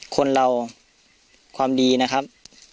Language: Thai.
คนเราความดีนะครับ